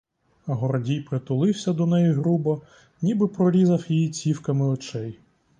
Гордій притулився до неї грубо, ніби прорізав її цівками очей.